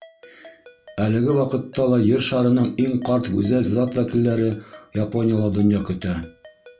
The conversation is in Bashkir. Әлеге ваҡытта ла Ер шарының иң ҡарт гүзәл зат вәкилдәре Японияла донъя көтә.